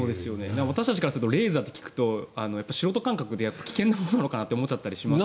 私たちからするとレーザーと聞くと素人感覚で危険なものなのかなと思っちゃったりしますし。